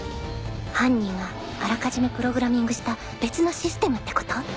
犯人はあらかじめプログラミングした別のシステムってこと？